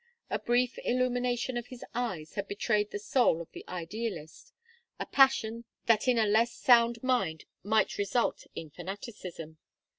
A brief illumination of his eyes had betrayed the soul of the idealist; a passion that in a less sound mind might result in fanaticism.